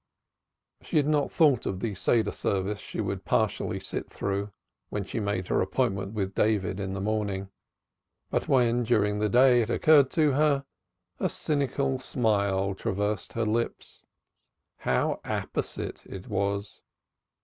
She had not thought of the Seder service she would have to partially sit through, when she made her appointment with David in the morning, but when during the day it occurred to her, a cynical smile traversed her lips. How apposite it was!